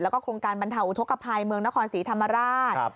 แล้วก็โครงการบรรเทาอุทธกภัยเมืองนครศรีธรรมราช